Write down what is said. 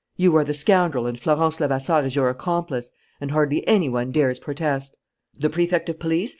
You are the scoundrel and Florence Levasseur is your accomplice. And hardly any one dares protest. "The Prefect of Police?